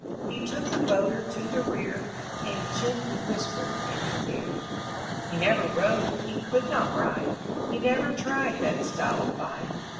He took the voter to the rear And gently whispered in his ear. He never wrote; he could not write; He never tried that style of fight.